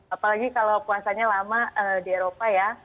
apalagi kalau puasanya lama di eropa ya